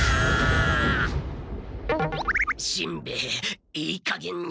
しんべヱいいかげんに。